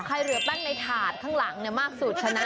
เหลือแป้งในถาดข้างหลังมากสุดชนะ